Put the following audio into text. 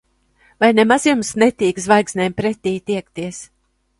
Vai nemaz jums netīk Zvaigznēm pretī tiekties?